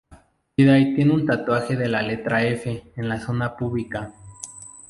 Friday tiene un tatuaje de la letra 'F' en la zona púbica.